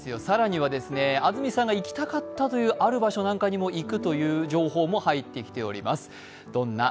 更には、安住さんが行きたかったというある場所なんかにも行くという情報も入っております。